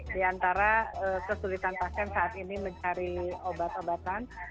diantara kesulitan pasien saat ini mencari obat obatan